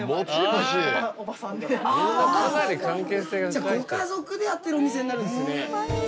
じゃあご家族でやってるお店になるんですね。